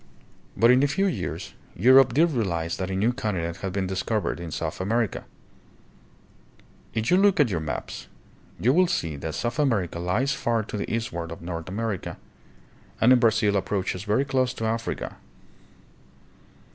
But in a few years Europe did realize that a new continent had been discovered in South America. If you will look at your maps, you will see that South America lies far to the eastward of North America and in Brazil approaches very close to Africa.